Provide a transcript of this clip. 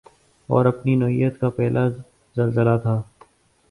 اور اپنی نوعیت کا پہلا زلزلہ تھا